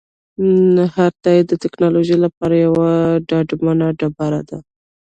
هر تایید د ټکنالوژۍ لپاره یوه ډاډمنه ډبره ده.